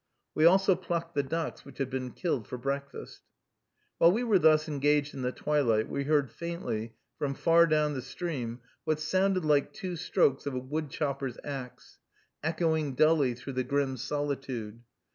We also plucked the ducks which had been killed for breakfast. While we were thus engaged in the twilight, we heard faintly, from far down the stream, what sounded like two strokes of a woodchopper's axe, echoing dully through the grim solitude.